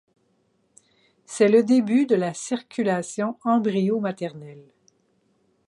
C'est le début de la circulation embryo-maternelle.